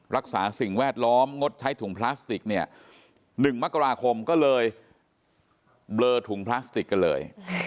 สิ่งแวดล้อมงดใช้ถุงพลาสติกเนี่ย๑มกราคมก็เลยเบลอถุงพลาสติกกันเลย